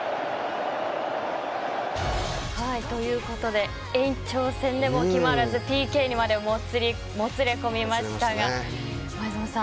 ということで延長戦でも決まらずＰＫにまでもつれ込みましたが前園さん